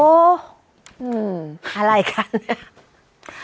อะไรกันเนี่ย